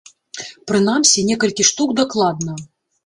Прынамсі, некалькі штук дакладна.